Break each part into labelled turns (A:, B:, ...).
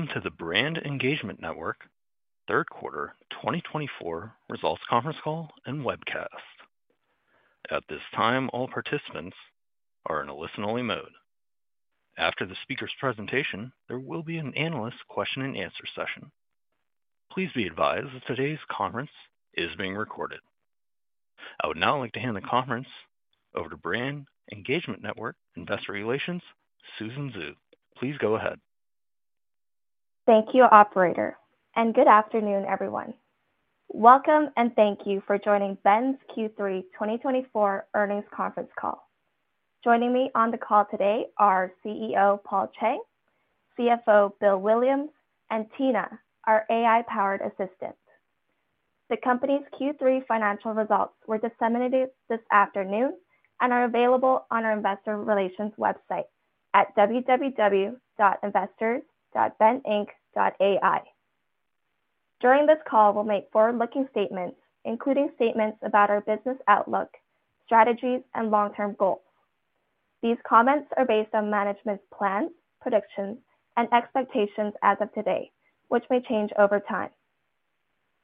A: Welcome to the Brand Engagement Network Third Quarter 2024 Results Conference Call and Webcast. At this time, all participants are in a listen-only mode. After the speaker's presentation, there will be an analyst question-and-answer session. Please be advised that today's conference is being recorded. I would now like to hand the conference over to Brand Engagement Network Investor Relations, Susan Xu. Please go ahead.
B: Thank you, Operator, and good afternoon, everyone. Welcome and thank you for joining BEN's Q3 2024 earnings conference call. Joining me on the call today are CEO Paul Chang, CFO Bill Williams, and Tina, our AI-powered assistant. The company's Q3 financial results were disseminated this afternoon and are available on our Investor Relations website at www.investors.beninc.ai. During this call, we'll make forward-looking statements, including statements about our business outlook, strategies, and long-term goals. These comments are based on management's plans, predictions, and expectations as of today, which may change over time.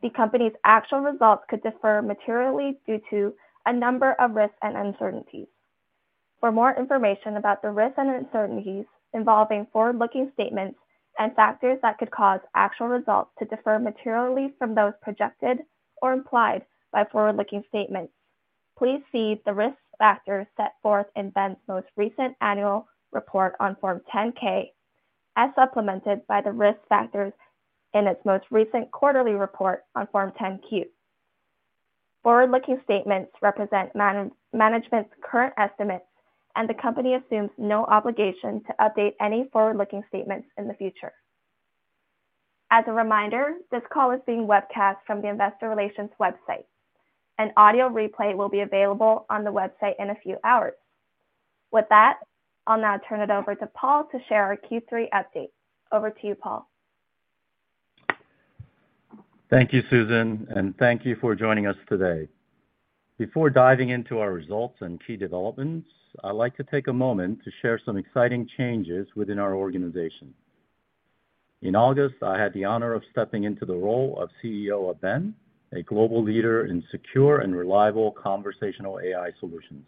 B: The company's actual results could differ materially due to a number of risks and uncertainties. For more information about the risks and uncertainties involving forward-looking statements and factors that could cause actual results to differ materially from those projected or implied by forward-looking statements, please see the risk factors set forth in BEN's most recent annual report on Form 10-K, as supplemented by the risk factors in its most recent quarterly report on Form 10-Q. Forward-looking statements represent management's current estimates, and the company assumes no obligation to update any forward-looking statements in the future. As a reminder, this call is being webcast from the Investor Relations website. An audio replay will be available on the website in a few hours. With that, I'll now turn it over to Paul to share our Q3 update. Over to you, Paul.
C: Thank you, Susan, and thank you for joining us today. Before diving into our results and key developments, I'd like to take a moment to share some exciting changes within our organization. In August, I had the honor of stepping into the role of CEO of BEN, a global leader in secure and reliable conversational AI solutions.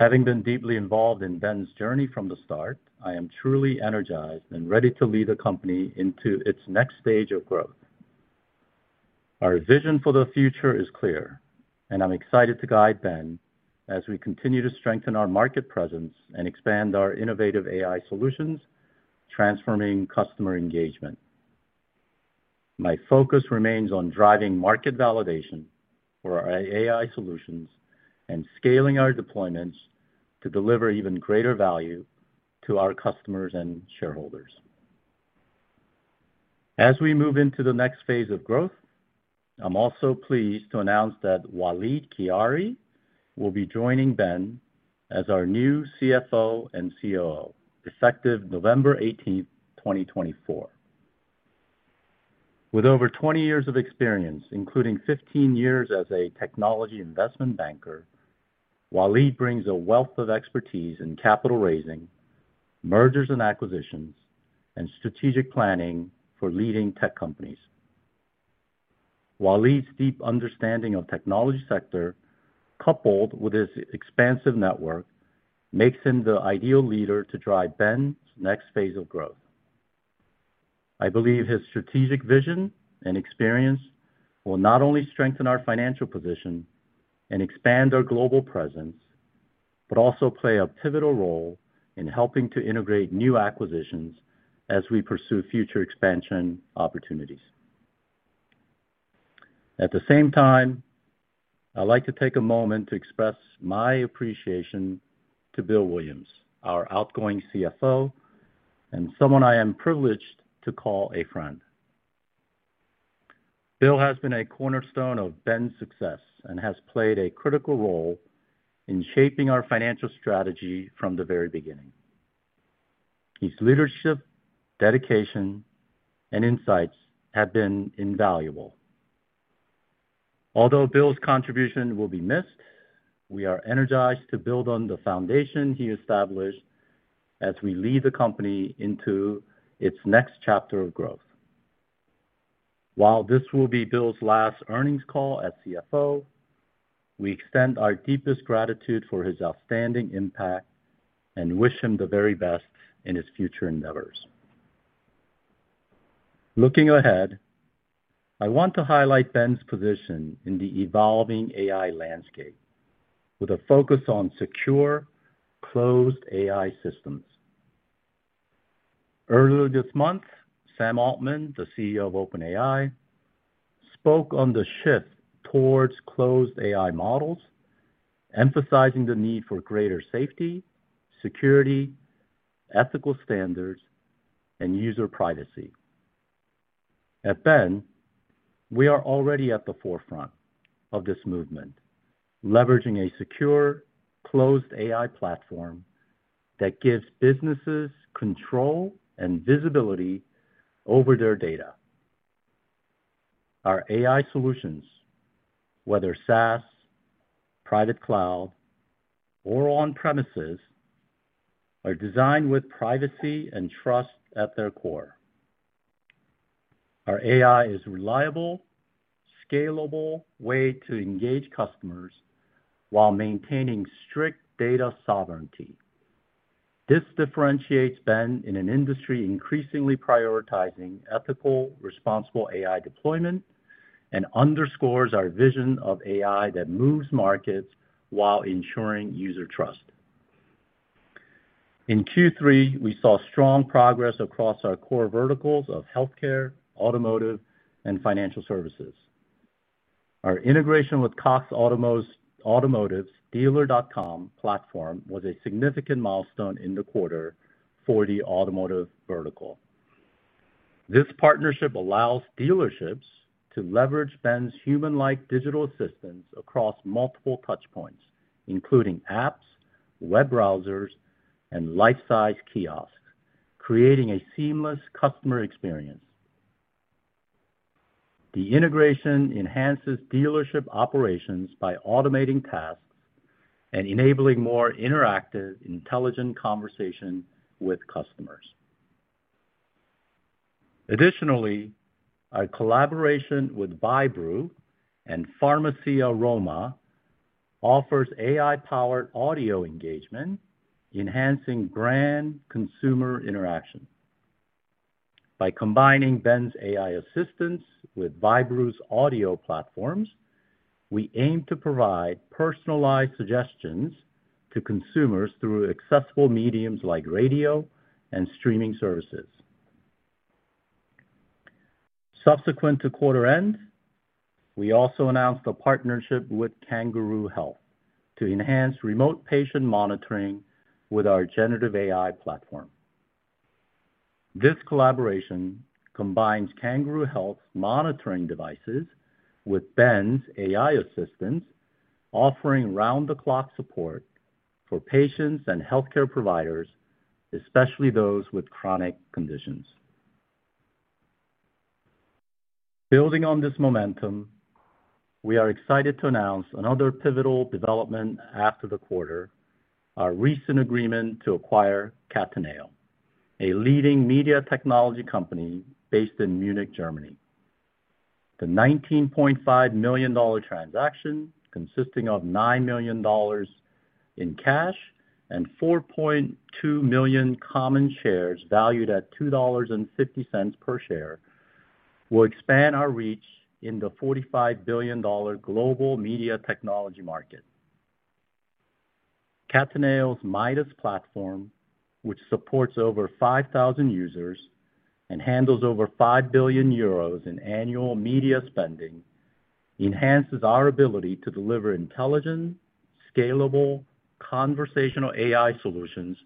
C: Having been deeply involved in BEN's journey from the start, I am truly energized and ready to lead the company into its next stage of growth. Our vision for the future is clear, and I'm excited to guide BEN as we continue to strengthen our market presence and expand our innovative AI solutions, transforming customer engagement. My focus remains on driving market validation for our AI solutions and scaling our deployments to deliver even greater value to our customers and shareholders. As we move into the next phase of growth, I'm also pleased to announce that Walid Khiari will be joining BEN as our new CFO and COO, effective November 18, 2024. With over 20 years of experience, including 15 years as a technology investment banker, Walid brings a wealth of expertise in capital raising, mergers and acquisitions, and strategic planning for leading tech companies. Walid's deep understanding of the technology sector, coupled with his expansive network, makes him the ideal leader to drive BEN's next phase of growth. I believe his strategic vision and experience will not only strengthen our financial position and expand our global presence but also play a pivotal role in helping to integrate new acquisitions as we pursue future expansion opportunities. At the same time, I'd like to take a moment to express my appreciation to Bill Williams, our outgoing CFO, and someone I am privileged to call a friend. Bill has been a cornerstone of BEN's success and has played a critical role in shaping our financial strategy from the very beginning. His leadership, dedication, and insights have been invaluable. Although Bill's contribution will be missed, we are energized to build on the foundation he established as we lead the company into its next chapter of growth. While this will be Bill's last earnings call as CFO, we extend our deepest gratitude for his outstanding impact and wish him the very best in his future endeavors. Looking ahead, I want to highlight BEN's position in the evolving AI landscape, with a focus on secure, closed AI systems. Earlier this month, Sam Altman, the CEO of OpenAI, spoke on the shift towards closed AI models, emphasizing the need for greater safety, security, ethical standards, and user privacy. At BEN, we are already at the forefront of this movement, leveraging a secure, closed AI platform that gives businesses control and visibility over their data. Our AI solutions, whether SaaS, private cloud, or on-premises, are designed with privacy and trust at their core. Our AI is a reliable, scalable way to engage customers while maintaining strict data sovereignty. This differentiates BEN in an industry increasingly prioritizing ethical, responsible AI deployment and underscores our vision of AI that moves markets while ensuring user trust. In Q3, we saw strong progress across our core verticals of healthcare, automotive, and financial services. Our integration with Cox Automotive's Dealer.com platform was a significant milestone in the quarter for the automotive vertical. This partnership allows dealerships to leverage BEN's human-like digital assistance across multiple touchpoints, including apps, web browsers, and life-size kiosks, creating a seamless customer experience. The integration enhances dealership operations by automating tasks and enabling more interactive, intelligent conversations with customers. Additionally, our collaboration with Vybroo and Farmacias Roma offers AI-powered audio engagement, enhancing brand-consumer interaction. By combining BEN's AI assistance with Vybroo's audio platforms, we aim to provide personalized suggestions to consumers through accessible mediums like radio and streaming services. Subsequent to quarter-end, we also announced a partnership with KangarooHealth to enhance remote patient monitoring with our generative AI platform. This collaboration combines KangarooHealth's monitoring devices with BEN's AI assistance, offering round-the-clock support for patients and healthcare providers, especially those with chronic conditions. Building on this momentum, we are excited to announce another pivotal development after the quarter: our recent agreement to acquire Cataneo, a leading media technology company based in Munich, Germany. The $19.5 million transaction, consisting of $9 million in cash and 4.2 million common shares valued at $2.50 per share, will expand our reach in the $45 billion global media technology market. Cataneo's MYDAS platform, which supports over 5,000 users and handles over 5 billion euros in annual media spending, enhances our ability to deliver intelligent, scalable, conversational AI solutions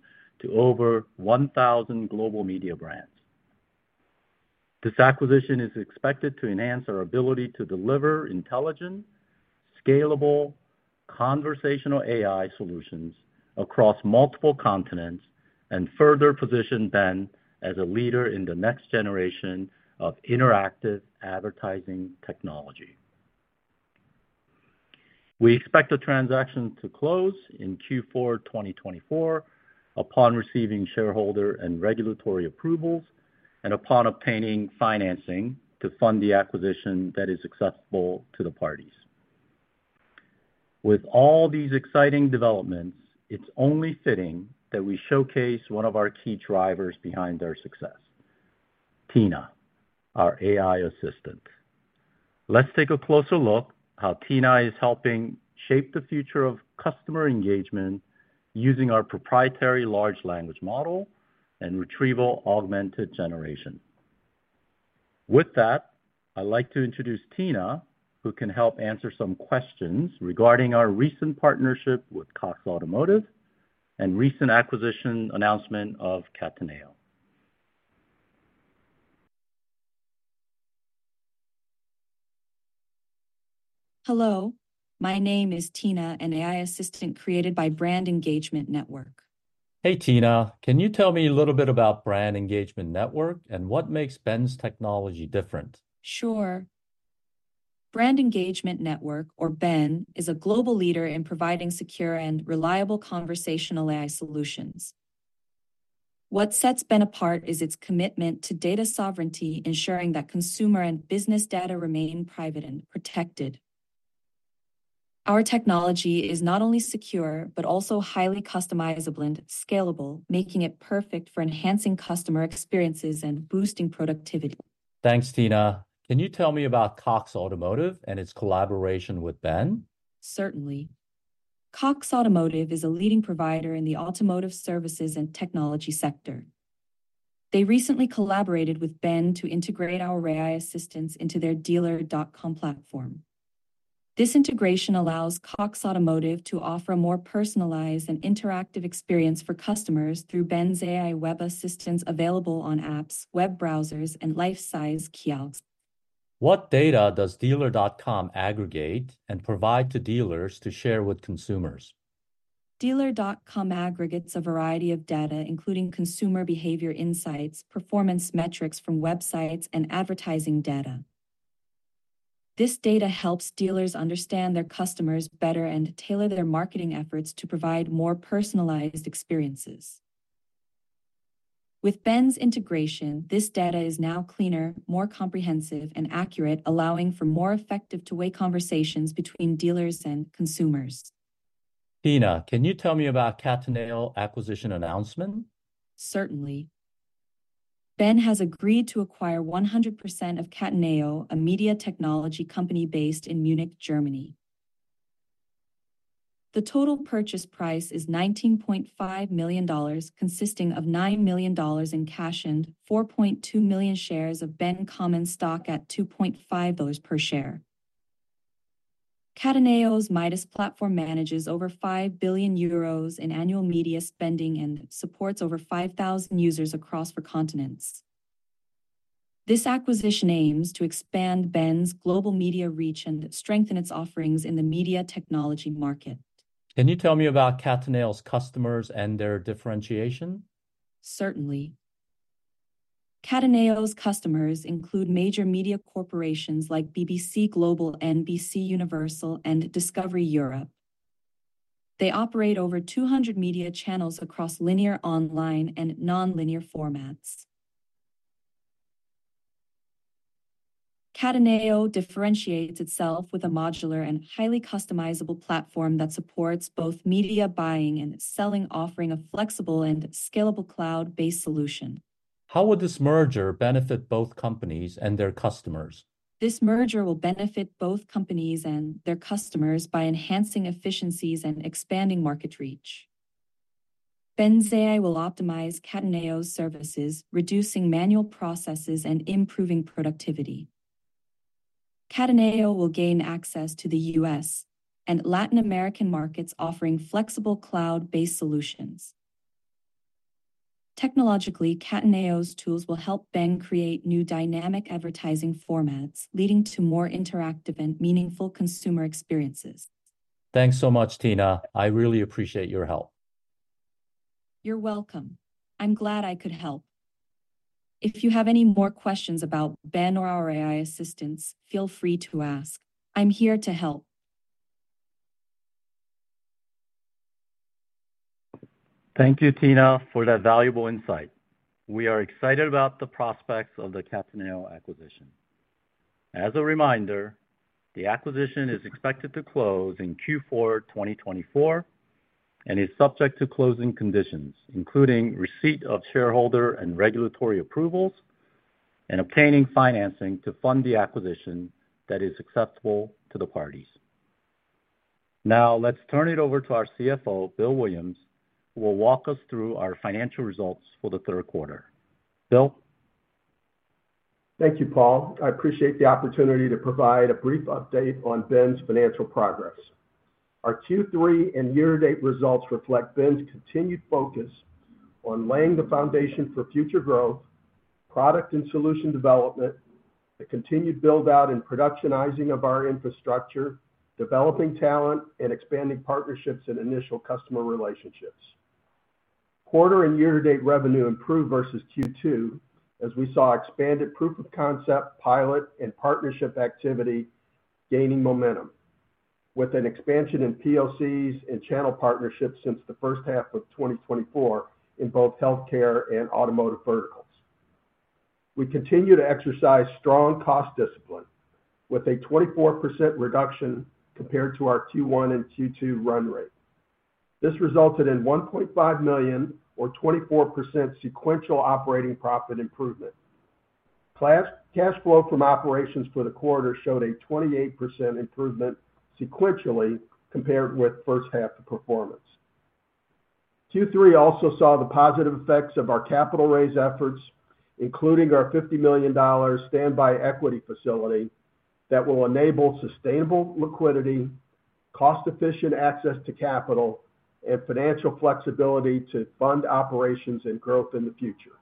C: to over 1,000 global media brands. This acquisition is expected to enhance our ability to deliver intelligent, scalable, conversational AI solutions across multiple continents and further position BEN as a leader in the next generation of interactive advertising technology. We expect the transaction to close in Q4 2024 upon receiving shareholder and regulatory approvals and upon obtaining financing to fund the acquisition that is accessible to the parties. With all these exciting developments, it's only fitting that we showcase one of our key drivers behind our success: Tina, our AI assistant. Let's take a closer look at how Tina is helping shape the future of customer engagement using our proprietary large language model and retrieval augmented generation. With that, I'd like to introduce Tina, who can help answer some questions regarding our recent partnership with Cox Automotive and recent acquisition announcement of Cataneo. Hello. My name is Tina, an AI assistant created by Brand Engagement Network.
D: Hey, Tina. Can you tell me a little bit about Brand Engagement Network and what makes BEN's technology different? Sure. Brand Engagement Network, or BEN, is a global leader in providing secure and reliable conversational AI solutions. What sets BEN apart is its commitment to data sovereignty, ensuring that consumer and business data remain private and protected. Our technology is not only secure but also highly customizable and scalable, making it perfect for enhancing customer experiences and boosting productivity.
C: Thanks, Tina. Can you tell me about Cox Automotive and its collaboration with BEN? Certainly. Cox Automotive is a leading provider in the automotive services and technology sector. They recently collaborated with BEN to integrate our AI assistance into their Dealer.com platform. This integration allows Cox Automotive to offer a more personalized and interactive experience for customers through BEN's AI web assistance available on apps, web browsers, and life-size kiosks. What data does Dealer.com aggregate and provide to dealers to share with consumers? Dealer.com aggregates a variety of data, including consumer behavior insights, performance metrics from websites, and advertising data. This data helps dealers understand their customers better and tailor their marketing efforts to provide more personalized experiences. With BEN's integration, this data is now cleaner, more comprehensive, and accurate, allowing for more effective two-way conversations between dealers and consumers. Tina, can you tell me about Cataneo's acquisition announcement? Certainly. BEN has agreed to acquire 100% of Cataneo, a media technology company based in Munich, Germany. The total purchase price is $19.5 million, consisting of $9 million in cash and 4.2 million shares of BEN common stock at $2.5 per share. Cataneo's MYDAS platform manages over 5 billion euros in annual media spending and supports over 5,000 users across four continents. This acquisition aims to expand BEN's global media reach and strengthen its offerings in the media technology market. Can you tell me about Cataneo's customers and their differentiation? Certainly. Cataneo's customers include major media corporations like BBC Global News, NBCUniversal, and Discovery Europe. They operate over 200 media channels across linear, online, and non-linear formats. Cataneo differentiates itself with a modular and highly customizable platform that supports both media buying and selling, offering a flexible and scalable cloud-based solution. How will this merger benefit both companies and their customers? This merger will benefit both companies and their customers by enhancing efficiencies and expanding market reach. BEN's AI will optimize Cataneo's services, reducing manual processes and improving productivity. Cataneo will gain access to the U.S. and Latin American markets, offering flexible cloud-based solutions. Technologically, Cataneo's tools will help BEN create new dynamic advertising formats, leading to more interactive and meaningful consumer experiences. Thanks so much, Tina. I really appreciate your help. You're welcome. I'm glad I could help. If you have any more questions about BEN or our AI assistants, feel free to ask. I'm here to help. Thank you, Tina, for that valuable insight. We are excited about the prospects of the Cataneo acquisition. As a reminder, the acquisition is expected to close in Q4 2024 and is subject to closing conditions, including receipt of shareholder and regulatory approvals and obtaining financing to fund the acquisition that is accessible to the parties. Now, let's turn it over to our CFO, Bill Williams, who will walk us through our financial results for the third quarter. Bill?
E: Thank you, Paul. I appreciate the opportunity to provide a brief update on BEN's financial progress. Our Q3 and year-to-date results reflect BEN's continued focus on laying the foundation for future growth, product and solution development, the continued build-out and productionizing of our infrastructure, developing talent, and expanding partnerships and initial customer relationships. Quarter and year-to-date revenue improved versus Q2, as we saw expanded proof of concept, pilot, and partnership activity gaining momentum, with an expansion in POCs and channel partnerships since the first half of 2024 in both healthcare and automotive verticals. We continue to exercise strong cost discipline, with a 24% reduction compared to our Q1 and Q2 run rate. This resulted in $1.5 million, or 24% sequential operating profit improvement. Cash flow from operations for the quarter showed a 28% improvement sequentially compared with first-half performance. Q3 also saw the positive effects of our capital raise efforts, including our $50 million standby equity facility that will enable sustainable liquidity, cost-efficient access to capital, and financial flexibility to fund operations and growth in the future.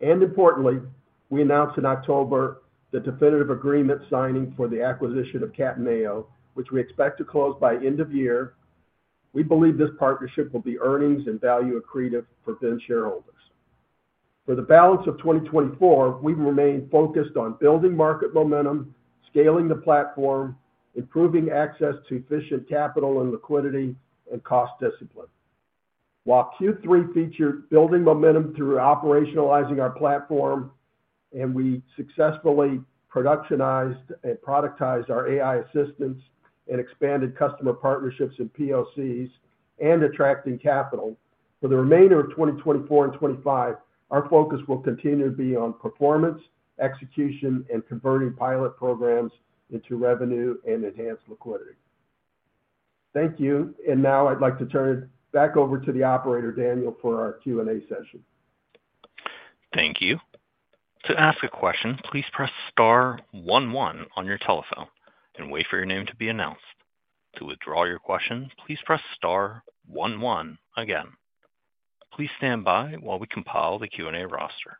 E: And importantly, we announced in October the definitive agreement signing for the acquisition of Cataneo, which we expect to close by end of year. We believe this partnership will be earnings and value-accretive for BEN shareholders. For the balance of 2024, we remain focused on building market momentum, scaling the platform, improving access to efficient capital and liquidity, and cost discipline. While Q3 featured building momentum through operationalizing our platform, and we successfully productionized and productized our AI assistance and expanded customer partnerships and POCs and attracting capital, for the remainder of 2024 and 2025, our focus will continue to be on performance, execution, and converting pilot programs into revenue and enhanced liquidity. Thank you, and now I'd like to turn it back over to the operator, Daniel, for our Q&A session.
A: Thank you. To ask a question, please press star one one on your telephone and wait for your name to be announced. To withdraw your question, please press star one one again. Please stand by while we compile the Q&A roster.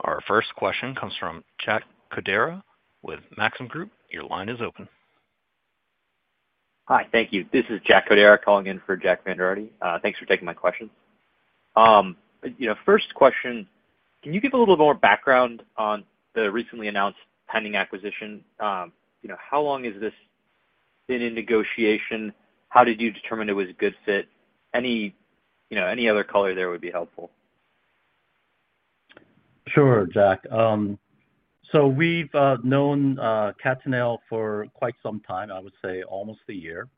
A: Our first question comes from Jack Codera with Maxim Group. Your line is open.
F: Hi, thank you. This is Jack Codera calling in for Jack Vander Aarde. Thanks for taking my questions. First question, can you give a little bit more background on the recently announced pending acquisition? How long has this been in negotiation? How did you determine it was a good fit? Any other color there would be helpful.
C: Sure, Jack. We've known Cataneo for quite some time. I would say almost a year.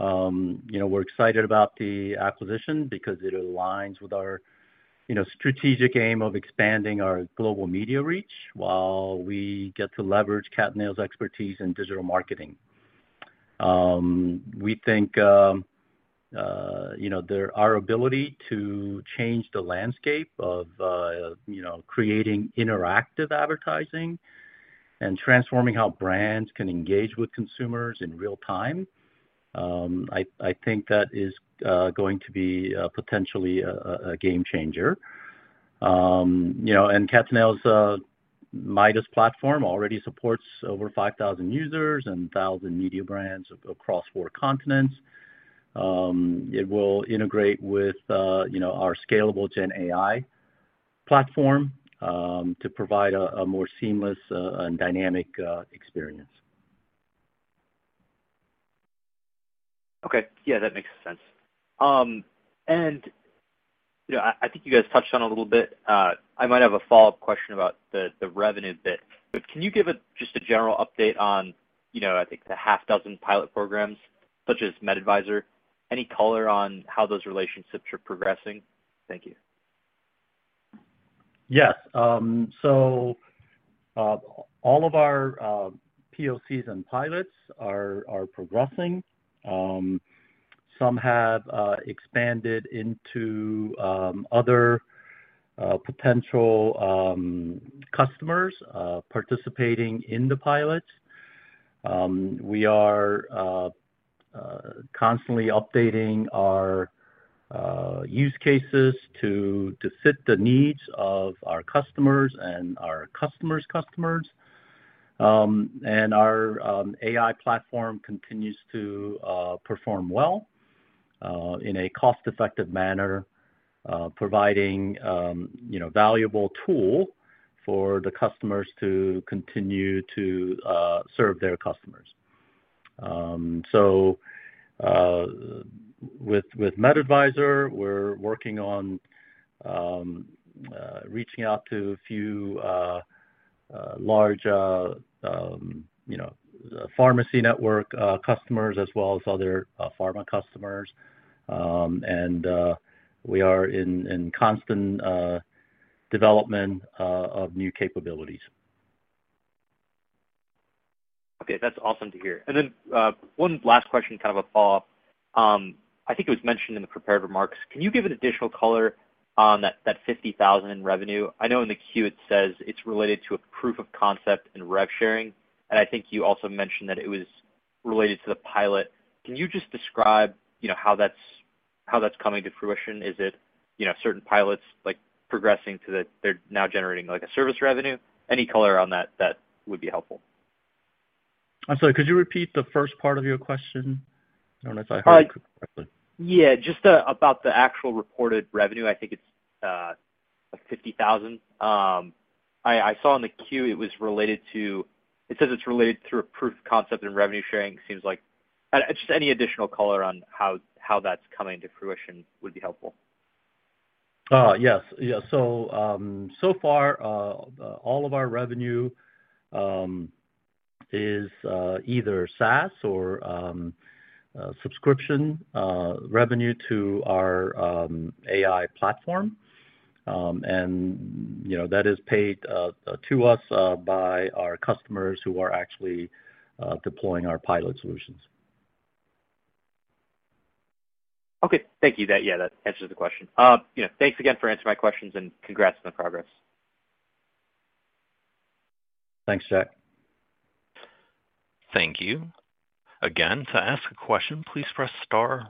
C: We're excited about the acquisition because it aligns with our strategic aim of expanding our global media reach while we get to leverage Cataneo's expertise in digital marketing. We think our ability to change the landscape of creating interactive advertising and transforming how brands can engage with consumers in real time. I think that is going to be potentially a game-changer. Cataneo's MYDAS platform already supports over 5,000 users and 1,000 media brands across four continents. It will integrate with our scalable Gen AI platform to provide a more seamless and dynamic experience.
F: Okay. Yeah, that makes sense. And I think you guys touched on it a little bit. I might have a follow-up question about the revenue bit. Can you give just a general update on, I think, the half dozen pilot programs such as MedAdvisor? Any color on how those relationships are progressing? Thank you.
C: Yes. So all of our POCs and pilots are progressing. Some have expanded into other potential customers participating in the pilots. We are constantly updating our use cases to fit the needs of our customers and our customers' customers. And our AI platform continues to perform well in a cost-effective manner, providing a valuable tool for the customers to continue to serve their customers. So with MedAdvisor, we're working on reaching out to a few large pharmacy network customers as well as other pharma customers. And we are in constant development of new capabilities.
F: Okay. That's awesome to hear. And then one last question, kind of a follow-up. I think it was mentioned in the prepared remarks. Can you give an additional color on that $50,000 in revenue? I know in the Q it says it's related to a proof of concept and rev sharing. And I think you also mentioned that it was related to the pilot. Can you just describe how that's coming to fruition? Is it certain pilots progressing to that they're now generating a service revenue? Any color on that that would be helpful?
C: I'm sorry. Could you repeat the first part of your question? I don't know if I heard it correctly.
F: Yeah. Just about the actual reported revenue. I think it's 50,000. I saw in the Q that it was related to. It says it's related through a proof of concept and revenue sharing, seems like. Just any additional color on how that's coming to fruition would be helpful.
C: Yes. So far, all of our revenue is either SaaS or subscription revenue to our AI platform, and that is paid to us by our customers who are actually deploying our pilot solutions.
F: Okay. Thank you. Yeah, that answers the question. Thanks again for answering my questions and congrats on the progress.
C: Thanks, Jack.
A: Thank you. Again, to ask a question, please press star.